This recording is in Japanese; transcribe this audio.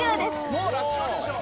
もう楽勝でしょ